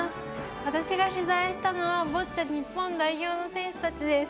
私が取材したのはボッチャ日本代表の選手たちです。